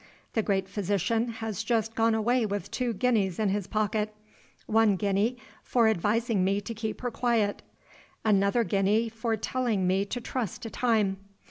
The great physician has just gone away with two guineas in his pocket. One guinea, for advising me to keep her quiet; another guinea for telling me to trust to time.